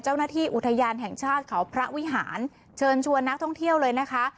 เจ้าหน้าที่อุทยานแห่งชาติเขาพระวิหารเชิญชวนนักท่องเที่ยวเลยนะคะ